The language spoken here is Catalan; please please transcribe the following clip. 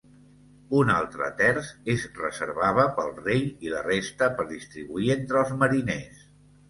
Un altre terç es reservava pel rei i la resta per distribuir entre els mariners.